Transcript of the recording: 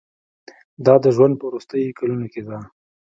دا د ژوند په وروستیو کلونو کې ده.